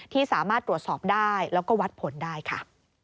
ที่สามารถตรวจสอบได้แล้วก็วัดผลได้ค่ะ